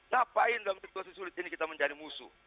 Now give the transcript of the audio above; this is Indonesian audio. ngapain dalam situasi sulit ini kita mencari musuh